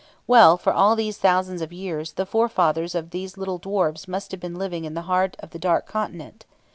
Well, for all these thousands of years, the forefathers of these little dwarfs must have been living in the heart of the Dark Continent.